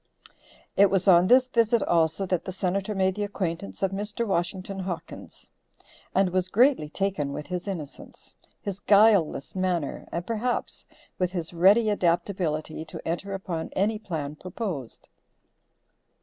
It was on this visit also that the Senator made the acquaintance of Mr. Washington Hawkins, and was greatly taken with his innocence, his guileless manner and perhaps with his ready adaptability to enter upon any plan proposed.